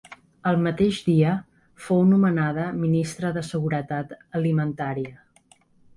El mateix dia fou nomenada Ministra de Seguretat Alimentària.